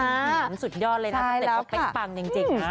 เหมือนสุดยอดเลยนะตั้งแต่เขาเป๊ะปังจริง